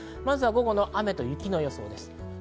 午後の雨と雪の予想です。